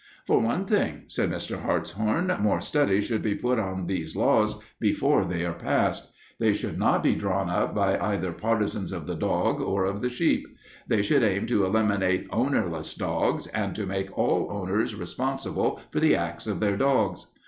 "For one thing," said Mr. Hartshorn, "more study should be put on these laws before they are passed. They should not be drawn up by either partisans of the dog or of the sheep. They should aim to eliminate ownerless dogs and to make all owners responsible for the acts of their dogs.